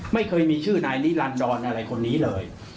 ไม่เคยมีชื่อนายนิรันดรอะไรคนนี้เลย